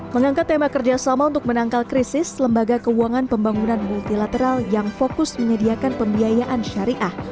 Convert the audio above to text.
mengangkat tema kerjasama untuk menangkal krisis lembaga keuangan pembangunan multilateral yang fokus menyediakan pembiayaan syariah